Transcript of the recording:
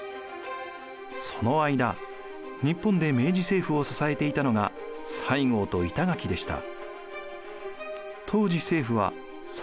その間日本で明治政府を支えていたのが西郷と板垣でした。